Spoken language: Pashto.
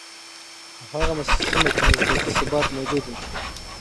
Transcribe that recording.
په هغه سیمه کې نسبي ثبات موجود و.